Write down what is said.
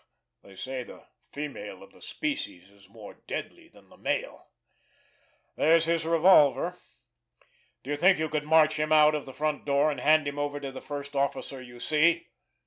They say the female of the species is more deadly than the male! There's his revolver. Do you think you could march him out of the front door, and hand him over to the first officer you see?"